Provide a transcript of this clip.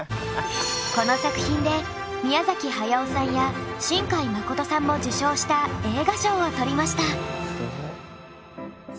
この作品で宮崎駿さんや新海誠さんも受賞した映画賞を取りました。